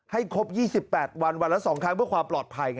ครบ๒๘วันวันละ๒ครั้งเพื่อความปลอดภัย